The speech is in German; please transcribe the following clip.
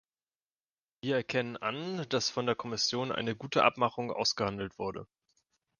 Wir erkennen an, dass von der Kommission eine gute Abmachung ausgehandelt wurde.